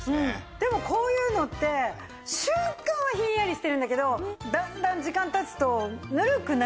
でもこういうのって瞬間はひんやりしてるんだけどだんだん時間経つとぬるくなるじゃないですか。